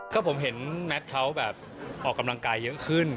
ก็ผมเห็นแมทเขาแบบออกกำลังกายเยอะขึ้น